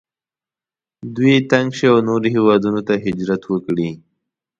دوی تنګ شي او نورو هیوادونو ته هجرت وکړي.